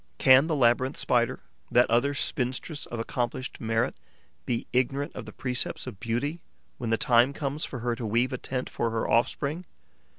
Can the Labyrinth Spider, that other spinstress of accomplished merit, be ignorant of the precepts of beauty when the time comes for her to weave a tent for her offspring?